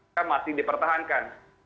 itu masih dipertahankan